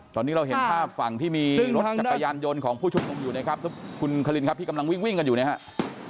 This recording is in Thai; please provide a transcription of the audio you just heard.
ตอนนี้เราเห็นภาพฝั่งที่มีรถจักรยานยนต์ของผู้ชุมนุมอยู่นะครับคุณคลินครับที่กำลังวิ่งกันอยู่นะครับ